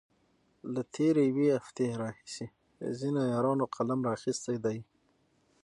له تېرې يوې هفتې راهيسې ځينو يارانو قلم را اخستی دی.